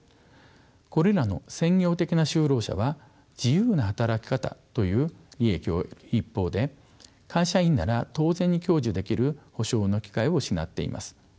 これらの専業的な就労者は自由な働き方という利益を得る一方で会社員なら当然に享受できる保障の機会を失っています。